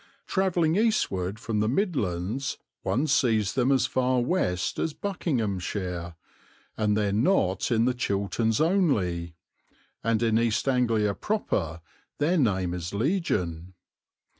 Travelling eastward from the Midlands one sees them as far west as Buckinghamshire, and there not in the Chilterns only, and in East Anglia proper their name is legion.